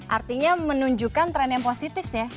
artinya menunjukkan tren yang positif sih ya